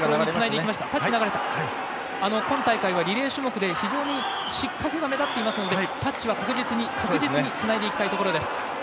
今大会はリレー種目で失格が目立っていますのでタッチは確実につないでいきたいところです。